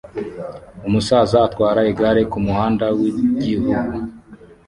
Umusaza atwara igare kumuhanda wigihugu